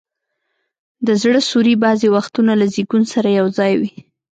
د زړه سوري بعضي وختونه له زیږون سره یو ځای وي.